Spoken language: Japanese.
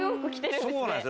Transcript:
そうなんですよ。